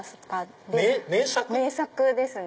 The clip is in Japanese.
名作ですね。